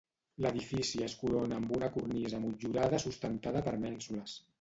L'edifici es corona amb una cornisa motllurada sustentada per mènsules.